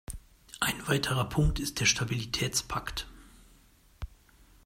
Ein weiterer Punkt ist der Stabilitätspakt.